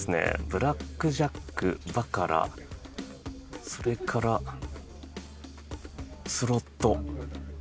ブラックジャックバカラ、それからスロット。